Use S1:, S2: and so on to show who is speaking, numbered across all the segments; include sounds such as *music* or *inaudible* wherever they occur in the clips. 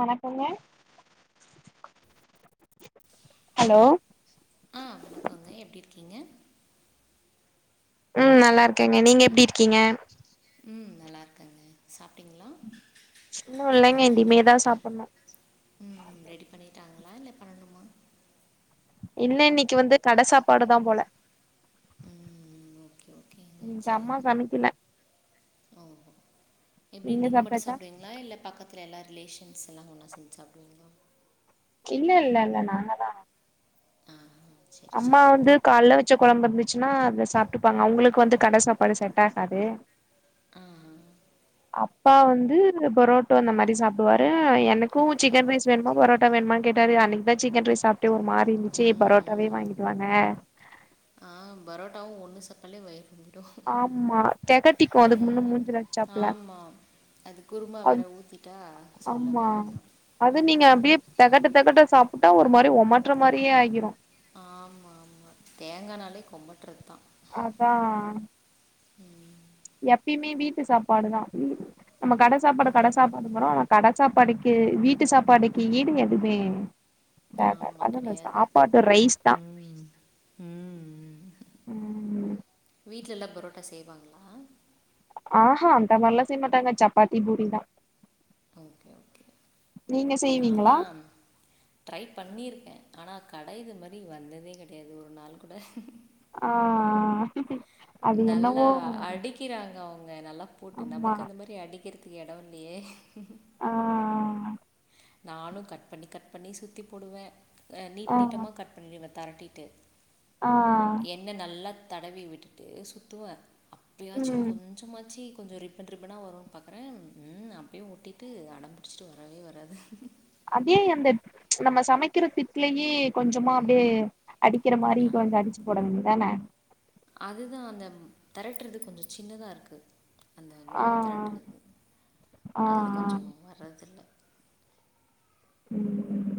S1: வணக்கங்க ஹலோ
S2: ஆ வணக்கங்க எப்டி இருக்கீங்க
S1: ம் நல்லா இருக்கேங்க, நீங்க எப்டி இருக்கீங்க?
S2: ம் நல்லாருக்காங்க சாப்ட்டிங்களா
S1: இன்னு இல்லங்க இனிமேதா சாப்புட்ணு
S2: ம் ரெடி பண்ணிட்டாங்களா இல்ல பண்ணனுமா
S1: இல்ல இன்னைக்கு வந்து கடை சாப்பாடுதா போல
S2: ம், ஓகே ஓகேங்க
S1: இன்னைக்கு அம்மா
S2: சரிங்க
S1: சமைக்கல
S2: ஓ எப்டி நீங்க மட்டு சாப்டுவிங்களா இல்ல பக்கத்தில எல்லா ரிலேஷன்ஸ் எல்லா ஒன்னா சேந்து சாப்டுவீங்களா
S1: இல்ல இல்ல இல்ல நாங்கதா
S2: ஆ சரி
S1: அம்மா
S2: சரி
S1: வந்து கால்ல வச்ச கொழம்பு இருந்துச்சுனா அது சாப்ட்டுப்பாங்க அவங்களுக்கு வந்து கட சாப்பாடு செட் ஆகாது
S2: ஆ
S1: அப்பா வந்து புரோட்டோ அந்த மாரி சாப்டுவாரு என எனக்கு
S2: ஓகே
S1: சிக்கன்
S2: ஓகே
S1: ரைஸ் வேணுமா பரோட்டா வேணுமானு கேட்டாரு அன்னைக்கிதா சிக்கன் ரைஸ் சாப்ட்டே ஒரு மாரி இருந்துச்சு
S2: ம்
S1: பரோட் டாவே
S2: ம்.
S1: வாங்கிட்டுவாங்க
S2: ஆ பரோட்டாவு ஒண்ணு சப்ட்டாலே வயிறு ரொம்
S1: ஆமா தெகட்டிக்கு அதுக்கு முன்ன
S2: ம்
S1: மூஞ்சில அடிச்சாப்ல
S2: ஆமாம் அது குருமா வேற ஊத்திட்டா
S1: ஆமா
S2: சொல்லவே வேண்டா,
S1: அது நீங்க
S2: ம்
S1: அப்டியே தெகட்ட தெகட்ட சாப்ட்டா ஒரு மாரி ஒமட்ற மாரியே ஆகிரு
S2: ஆமா ஆமா தேங்கானாலே கொமட்டறதுதா
S1: அதா எப்பயுமே வீட்டு சாப்பாடுதா நம்ம கட சாப்பாட கட
S2: ம்
S1: சாப்பாடுங்குறோ கடை சாப்பாடுக்கு வீட்டு சாப்பாடுக்கு ஈடு எதுவுமே அதா அதா
S2: ஆமா
S1: அதும் இந்த
S2: கிடையாது
S1: சாப்பாடு ரைஸ் தா
S2: ம் ம்
S1: ம்
S2: வீட்ல எல்லா பரோட்டா செய்வாங்ளா
S1: ஆஹ அந்த மாரியெல்லா செய்யமாட்டங்க சப்பாத்தி பூரிதா
S2: ஓகே ஓகே,
S1: நீங்க செய்வீங்களா
S2: நான்லா ட்ரை பண்ணியிருக்கே ஆனா கடை இது மாரி வந்ததே கடையாது ஒரு நாள் கூட
S1: ஆ ஆ அது
S2: நல்லா
S1: என்னவோ
S2: அடிக்கிறாங்க அவங்க நல்லா போட்டு
S1: ஆமா
S2: நமக்கு அந்த மாரி அடிக்கிறதுக்கு எடம் இல்லையே
S1: ஆ
S2: நானு கட் பண்ணி கட் பண்ணி சுத்தி போடுவே அ
S1: ஆ
S2: நீட் நீட்டமா கட் பண்ணிடுவ தரட்டிட்டு
S1: ஆ
S2: எண்ண நல்லா தடவி விட்டுட்டு சுத்துவ எப்பயாச்சி
S1: ம்
S2: கொஞ்சமாச்சி கொஞ்ச ரிப் ரிப்பண் ரிப்பண வரும் பாக்குறே ம் அப்பயும் ஒட்டிட்டு அடம்புடிச்சிட்டு வரவே வராது
S1: அதே அந்த நம்ம சமைக்கிற திட்டலயே கொஞ்சமா அப்டியே அடிக்கற மாரி கொஞ்ச அடிச்சு போடவேண்டிது தான
S2: அது தா அந்த தெரட்டுறது கொஞ்ச சின்னதா இருக்கு அந்த
S1: ஆ
S2: மாவு தெரட்டுறது
S1: ஆ
S2: அதுல
S1: ஆ
S2: கொஞ்சோ வர்றதில்ல
S1: ம்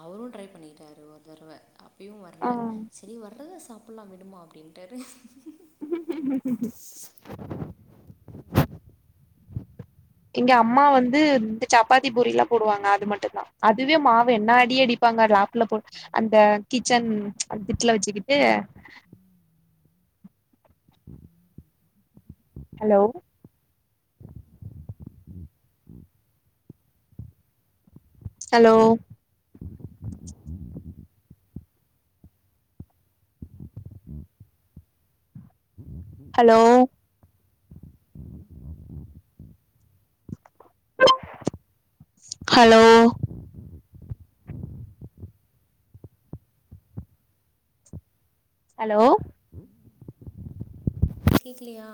S2: அவரு ட்ரை பண்ணிட்டாரு ஒரு தடவ அப்பயு
S1: ஆ
S2: வரல சரி வர்றத சாப் ட்லா விடுமா அப்படின்ட்டாரு
S1: *unintelligible* எங்க அம்மா வந்து இந்த சப்பாத்தி பூரியிலா போடுவாங்க அது மட்டு தா அதுவே மாவு என்ன அடி அடி ப்பாங்க ராக்ல போ அந்த கிச்சன் அந்த திட்டல வச்சுக்கிட்டு hello hello hello hello hello
S2: கேக்கிலையா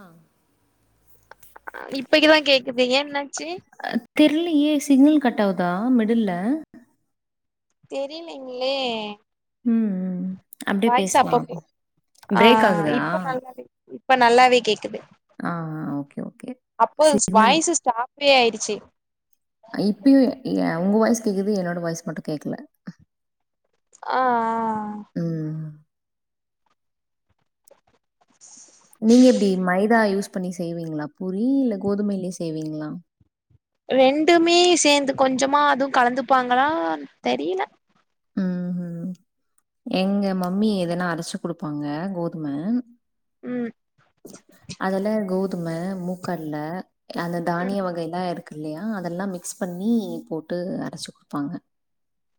S1: இப்பகைகுதா கேக்குது ஏன் என்னாச்சு
S2: தெர்லையே சிக்னல் கட்டாகுதா மிடில்ல
S1: தெரிலைங்ளே
S2: ம் ம். அப்படியே
S1: வாய்ஸ்
S2: பேசலாம்
S1: அப்பப்போ ஆ
S2: பிரேக் ஆகுதா
S1: இப்ப நல்லாவே இப்ப நல்லாவே கேக்குது
S2: ஆ ஓகே, ஓகே.
S1: அப்போ
S2: சிக்னல்
S1: வாய்ஸ்சு *unintelligible* ஃப்ரீ ஆயிடுச்சு
S2: ஆ இப்பயு உங்க வாய்ஸ் கேக்குது என்னோட வாய்ஸ் மட்டு கேக்கல
S1: ஆ ஆ ஆ
S2: ம்.
S1: *inaudible*
S2: நீங்க எப்டி மைதா யூஸ் பண்ணி செய்வீங்களா பூரி இல்ல கோதுமைையிலயே செய்வீங்களா
S1: ரெண்டுமே சேந்து கொஞ்சமா அதுவும் கலந்துப்பாங்களா தெரியல
S2: ம் ம் எங்க மம்மி எதன்னா அரைச்சு குடுப்பாங்க கோதும
S1: ம்
S2: அதுல கோதும மூக்கடல அந்த தானிய
S1: ம்
S2: வகையல்லா இருக் கில்லையா அதெல்லா மிக்ஸ் பண்ணி போட்டு அரைச்சு குடுப்பாங்க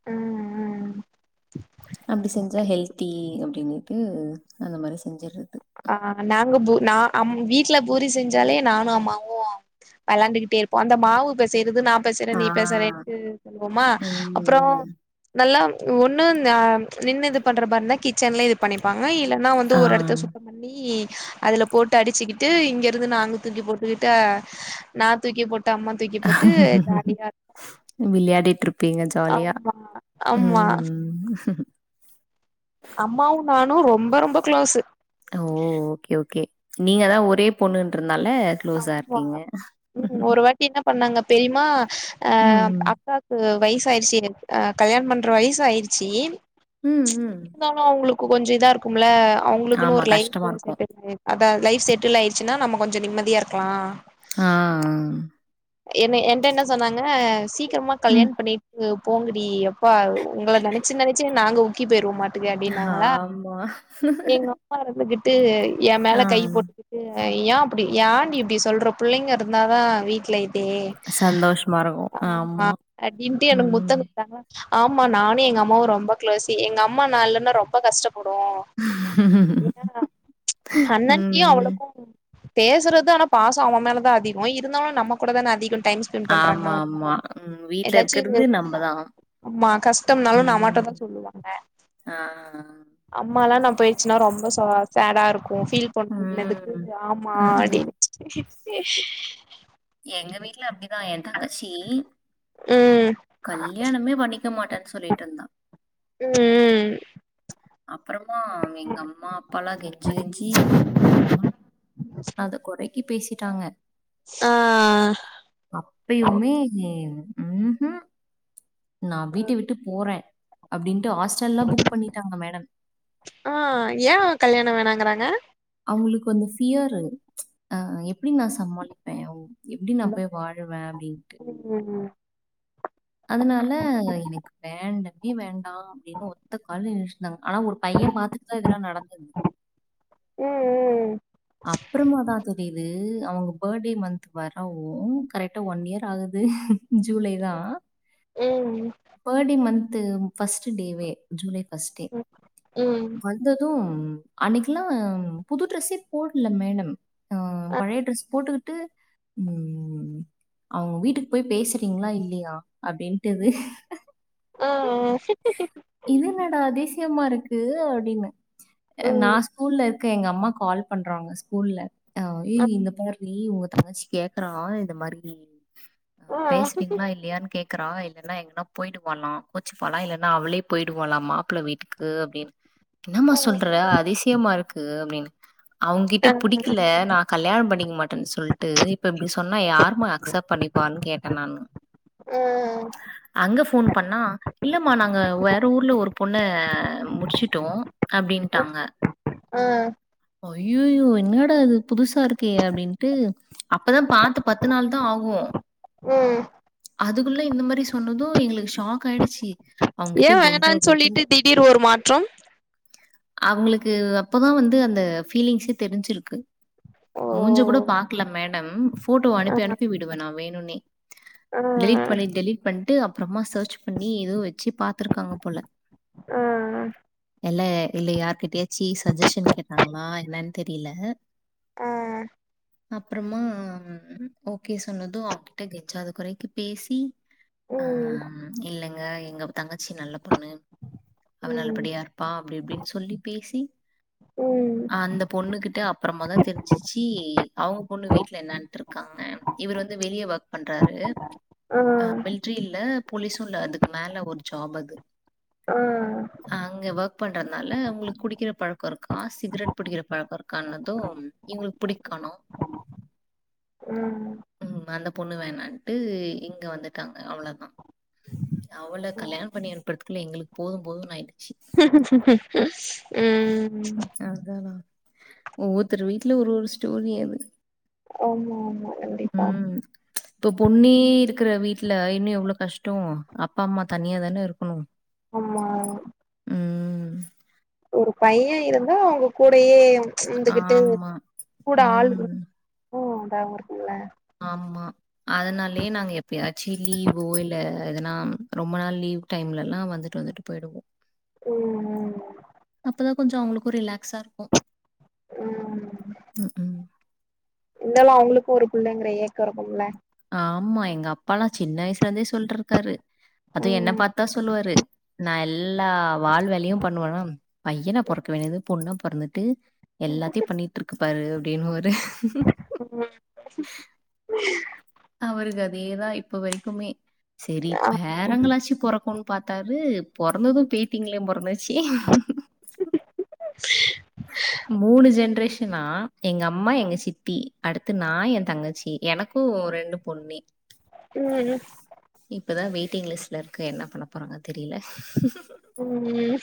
S1: ம் ம்
S2: அப்டி செஞ்சா ஹெல்தி அப்டின்னுட்டு அந்த மாரி செஞ்சரது
S1: ஆ நாங்க பூ நா அம் வீட்ல பூரி செஞ்சாலே நானு அம்மாவு வேளாண்டுக்கிட்டே இருப்போ அந்த மாவு பேசையறது நா நா பேசய்ற
S2: ஆ.
S1: நீ பேசய்ற எனக்கு சொல்லுவோமா அப்றோ
S2: ம்.
S1: நல்லா ஒன்னு இந்த ஆ நின்னு இது பண்ற மாருந்தா கிச்சன்ல பண்ணிப்பாங்க இல்லன்னா வந்து
S2: ஆ.
S1: ஒரு எடத்த சுத்த பண்ணி அதுல போட்டு அடிச்சுக்கிட்டு இருந்து நா அங்க தூக்கி போட்டுக்கிட்டு நா தூக்கி போட்டு அம்மா தூக்கி போட்டு ஜாலியா
S2: விளையாடிட்டுருப் பபீங்க ஜாலியா
S1: ஆமா ஆமா
S2: ம்
S1: அம்மாவு நானு ரொம்ப ரொம்ப க்ளோஸு
S2: ஓ ஓகே ஓகே நீங்கதா ஒரே பொண்ணுன்றனால க்ளோஸா
S1: ஆம்மா
S2: இருக்கீங்க.
S1: ம் ஒரு வாட்டி என்ன பண்ணாங்க பெரியமா
S2: ம் ம்
S1: அக்காக்கு வயசயிடுச்சு அ கல்யாணோ பண்ற வயசாயிடுச்சு
S2: ம், ம்.
S1: இருந்தா லு அவங்களுக்கு கோஞ்சோ இதா இருக்குமில்ல அவங்களுக்குன்னு
S2: ஆமா,
S1: ஒரு
S2: கஷ்டமா
S1: லைஃப்
S2: இருக்கும்.
S1: செட்டல்ன்னு அத லைஃப் செட்டல் ஆயிடுச்சுன்னா நம்ம கொஞ்சோ நிம்மதியா இருக்கலா
S2: ஆ அ
S1: என்ன என்ட்ட என்ன சொன்னாங்க சீக்கிரமா
S2: ம்.
S1: கல்யாணம் பண்ணிட்டு போங்கடி எப்பா உங்களை நெனைச்சு நெனைச்சே நாங்க ஊக்கி போயிருவோம்மாட் டாக்கே அப்டின்னாங்களா
S2: ஆமா.
S1: எங்க அப்பா இருந்துகிட்டு எ மேல
S2: ஆ.
S1: கை போட்டுகிட்டு ஏன் அப்டி எ இப்டி சொல்ற புள்ளைங்க இருந்தாதா வீட்டுல டே
S2: சந்தோஷமா இருக்கும்.
S1: ஆமா அப்டினுட்டு எனக்கு
S2: ம்.
S1: முத்தங்குடுத்தாங்களா ஆமா நானு எங்க அம்மாவு ரொம்ப க்ளோஸ் எங்க அம்மா நா இல்லன்னா ரொம்ப கஷ்டப்படு என்னான்னா
S2: ம்,
S1: அண்ணன்னியு
S2: ம்.
S1: அவ்வளவா பேசுறது ஆனா பாசோ அவ மேலதா அதிகோ இருந்தாலு நம்ம கூட தானே அதிக டைம்ஸ்
S2: ஆமா ஆமா வீட்டுல ம்
S1: ஏதாச்சு
S2: இருக்கறது நம்மதா
S1: ஆமா கஷ்டம்னாலு நம்மிட்ட தான் சொல்லுவாங்க
S2: ஆ
S1: அம்மா எல்லா நா போயிச்சுன்னா ரொம்ப சோ சேடா இருக்கு ஃபீல் பண்ணங்கனதுக்கு
S2: ம்.
S1: ஆமா
S2: ம், ம்.
S1: அப்டின்னு *inaudible*
S2: எங்க வீட்டு்ல அப்டிதா எ தங்கச்சி
S1: ம்
S2: கல்யாணமே பண்ணிக்க மாட்டேன்னு சொல்லிட்டு இருந்தா
S1: ம் ம்
S2: அப்புறமா எங்க அம்மா அப்பா எல்லா கெஞ்சி கெஞ்சி அத கொறைக்கி பேசிட்டாங்க
S1: ஆ
S2: அப்பயுமே ம்ஹூம் நா வீட்ட விட்டு போறே அப்டின்ட்டு ஹாஸ்டல்லல்லா புக் பண்ணிட்டாங்க மேடம்
S1: ஆ ஏ கல்யாணோ வேணாங்கறாங்க
S2: அவங்களுக்கு வந்து பியரு ஆ எப்டி நா சமாளிப்பே எப்டி நா போய் வாழுவே அப்டின்ட்டு
S1: ம்
S2: அதனால எனக்கு வேண்டவே வேண்டா அப்டின்னு ஒத்த கால்ல நின்னுட்ருந்தாங்க ஆனா ஒரு பைய பாத்துட்டுதா இதெல்லா நடந்தது
S1: ம் ம்
S2: அப்புறமா தா தெரியுது அவங்க பேர்டே மந்த் வரவோ கரெக்டா ஒன் இயர் ஆகுது ஜூலை தா
S1: ம்
S2: பர்டே மன்த் ஃபர்ஸ்ட்டு டேவே ஜூலை ஃபஸ்டே
S1: ம்
S2: வந்தது அன்னைக்கெல்லா புது ட்ரெஸ்ஸே போட்ல மேடம் அ பழைய ட்ரெஸ் போட்டு ட்டு ம் அவ்ங்க வீட்டுக்கு போய் பேசுறீங்களா இல்லையா அப்டின் ட்டுது
S1: ஆ
S2: இது என்னடா அதிசயமா இருக்கு அப்டின்னு நா
S1: ம்
S2: ஸ்கூல்ல இருக்க எங்க அம்மா கால் பண்றாங்க ஸ்கூல்ல அ ஏ
S1: ஆ
S2: இங்க பார்ரி உங்க தங்கச்சி கேக்குறா இந்த மாரி
S1: ஆ
S2: பேசுறீங்ளா இல்லயான்னு கேக் க்குறா இல்லன்னா எங்கன்னா போய்டுவாலா கோச்சுப்பாலா இல்லன்னா அவளே போயிடுவாலா மாப்ள வீட்டுக்கு அப்டின்னு என்னம்மா சொல்ற அதிசயமா இருக்கு அப்டின்னு அவுங்கிட்ட பிடிக்கல நா கல்யாண பண்ணிக்க மாட் சொல்ட்டு இப்ப இப்டி சொன்னா யாருமா அக்செப்ட் பண்ணிப்பான்னு கேட்ட நானு அங்க ஃபோன் பண்ணா இல்லம்மா நாங்க வேற ஊர்ல ஒர் பொண்ணு முடிச்சுட்டோ அப்டின்ட்டாங்க
S1: அ
S2: ஐயோயோ என்னடா இது புதுசா இருக்கே அப்டின்ட்டு அப்பதா பாத்து பத்து நாள் தா ஆவு
S1: ம்
S2: அதுக்குள்ள இந்த மெரி சொன்னது எங்களுக்கு ஷாக் ஆயிடுச்சி
S1: ஏ வேணா சொல்லிட்டு திடீர் ஒரு மாற்றம்
S2: அவுங்களுக்கு அப்பதா வந்து அந்த ஃபீலிங்ஸே தெரிஞ்சிருக்கு
S1: ஓ
S2: மூஞ்ச கூட பாக்கலா மேடம் போட்டோ
S1: ஆ
S2: அனுப்பி அனுப்பி விடுவ நா வேணுனே டெலிட் பண்ணி
S1: ஆ
S2: டெலிட் பண்ட்டு அப்றோமா சேர்ச் பண்ணி ஏதோ வச்சு பாத்துருக்காங்க போல
S1: அ
S2: எல்ல இல்ல யாருகிட்டயாச்சு சஜ்ஜஸன் கேட்டாங்ளா என்னன் தெரில
S1: அ
S2: அப்றோமா ஓகே சொன்னது அவ கிட்ட கெஞ்சாத குறைக்கு பேசி ஆ
S1: ம்
S2: இல்லங்க எங்க தங்கச்சி நல்ல பொண்ணு அவ
S1: ம்
S2: நல்லபடியா இரு ப்பா அப்டி இப்டின்னு சொல்லி பேசி
S1: ம்
S2: அந்த பொண்ணு கிட்ட அப்றோமா தா தெரிஞ்சிச்சு அவுங்க பொண்ணு வீட்ல என்னாட் இர்க்காங்க இவரு வந்து வெளிய ஒர் க் பண்றாரு
S1: ஆ
S2: அ மில்ட்ரி இல்ல போலீஸு இல்ல அதுக்கு மேல ஒரு ஜாப் அது
S1: ம்
S2: அங்க ஒர்க் பண்றதுனால உங்களுக்கு குடிக்கிற பழக்கோ இருக் கா சிகரெட் பிடிக்கிற பழக்கோ இருக்கானது இவுங்களுக்கு புடிக்கணு
S1: ம்
S2: ம், அந்த பொண்ணு வேணான்ட்டு இங்க வந்துட்டாங்க அவ்ளோதா அவுள கல்யாணோ பண்ணி அனுப்புறதுக்குள்ள எங்களுக்கு போது போதுனு ஆயிட்டு
S1: ம்
S2: அதா ஒவ்வொருத்தர் வீட்ல ஒவ்வொரு ஸ்டோரி அது
S1: ஆம்மாம்மா
S2: ம் இப்போ பொண்ணே இருக்கிற வீட்ல இன்னு எவ்ளோ கஷ்டோ அப்பா அம்மா தனியா தான இருக்குணு
S1: ஆமா
S2: ம்
S1: ஒரு பைய இருந்து ஒங்க கூடயே ந்துகிட்டு
S2: ஆமா.
S1: கூட ஆளு
S2: ம்.
S1: ம் அதா *unintelligible* இருக்குங்கள
S2: ஆமா அதனாலயே நாங்க எப்பயாச்சீ லீவோ இல்ல எதனா ரொம்ப நாள் லீவ் டைம்ல ல்லா வந்துட்டு வந்துட்டு போயிடுவோ
S1: ம்
S2: அப்பதா கொஞ்சோ அவுங்களுக்கு ரிலாக்ஸா இருக்கு
S1: ம்
S2: ம் ம்
S1: இருந்தாலு அவுங்களுக்கு ஒரு புள்ளங்கிற ஏக்கோ இருக்கும்ல
S2: ஆமா எங்க அப்பா ல்லா சின்ன வயசுல இருந்தே சொல்ட்ருக்காரு அது என்ன
S1: ம்
S2: பாத்தா சொல்லுவாரு ம் நா எல்லா வால் வேலையு பண்ணுவேனம் பையனா பொறக்க வேண்டியது பொண்ணா பொறந்துட்டு எல்லாத்தியு பண்ணிட்டு இருக்கு பாரு அப்டின்னு வாரு
S1: ம்மா
S2: அவருக்கு அதேதா இப்ப வரைக்குமே செரி
S1: ஆ
S2: பேரங்களாச்சி பொறக்குன் பாத்தாரு பொறந்தது பேத்தீங்களே பொறந்துச்சி
S1: *unintelligible*
S2: மூணு ஜென்ரேஷனா எங்க அம்மா எங்க சித் தி அடுத்து நா எ தங்கச்சி எனக்கு ரெண்டு பொண்ணே
S1: ம்
S2: இப்பதா வெயிட்டிங் லிஸ்டுல இருக்கு என்ன பண்ண போறாங்க தெரியல
S1: ம்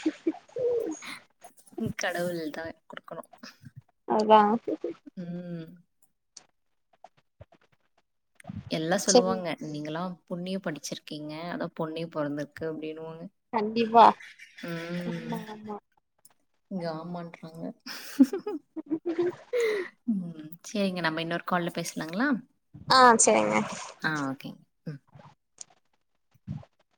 S2: ம் கடவுள் தா குடுக்கணு
S1: அதா
S2: ம் எல்லா
S1: சரி
S2: சொல்லுவாங்க நீங்கல்லா புண்ணிய படிச்சிருக்கீங்க அதா பொண்ணே பொறந்திருக்கு அப்டின்னுவாங்க
S1: கண்டிப்பா ஆமா ஆமா
S2: இங்க ஆமான்றாங்க
S1: *unintelligible*
S2: சேரிங்க நம்ம இன்னொரு கால்ல பேசலாங்களா
S1: ஆ சேரிங்க
S2: ஆ ஓகே
S1: உம்